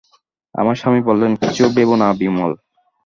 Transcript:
আমার স্বামী বললেন, কিচ্ছু ভেবো না বিমল।